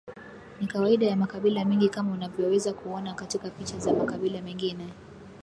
Ni kawaida ya makabila mengi kama unavyoweza kuona katika picha za makabila mengine